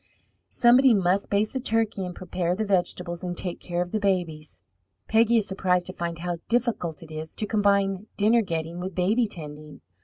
Somebody must baste the turkey and prepare the vegetables and take care of the babies. Peggy is surprised to find how difficult it is to combine dinner getting with baby tending.